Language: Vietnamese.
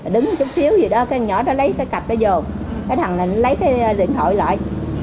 đứng chút xíu gì đó cái nhỏ đó lấy cái cặp đó vô cái thằng này lấy cái điện thoại lại